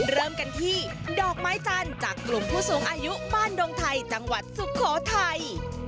เริ่มกันที่ดอกไม้จันทร์จากกลุ่มผู้สูงอายุบ้านดงไทยจังหวัดสุโขทัย